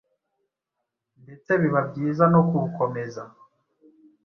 ndetse biba byiza no kuwukomeza